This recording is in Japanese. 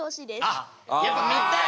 あっやっぱ見たい。